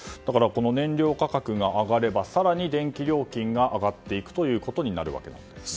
燃料価格が上がれば更に電気料金が上がっていくということになるわけですね。